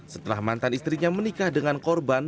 setelah mantan istrinya menikah dengan korban